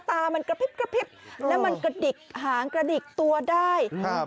ตามันกระพริบแล้วมันกระดิกหางกระดิกตัวได้